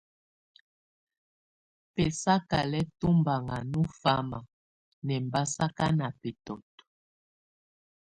Bɛsakalɛ́ tombanŋa nɔ fáma nʼɛmbasaka na bɛtɔ́t.